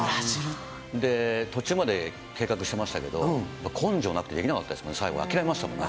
途中まで計画してましたけど、根性なくてできなかったですね、最後、諦めましたもんね。